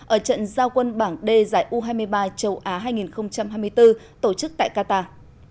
ở trận giao quân bảng d giải u hai mươi ba châu á hai nghìn hai mươi bốn tổ chức tại qatar